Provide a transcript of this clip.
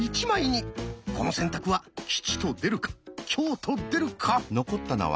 この選択は吉と出るか凶と出るか？